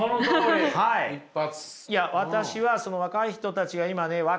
一発。